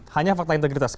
hanya fakta integritas